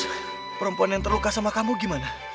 terus perempuan yang terluka sama kamu gimana